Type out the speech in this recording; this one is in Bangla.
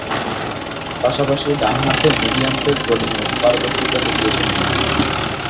পাশাপাশি ডানহাতে মিডিয়াম পেস বোলিংয়েও পারদর্শিতা দেখিয়েছেন তিনি।